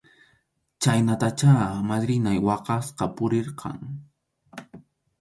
Chhaynatachá madrinay waqaspa purirqan.